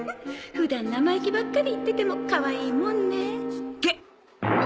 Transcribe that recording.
普段生意気ばっかり言っててもかわいいもんね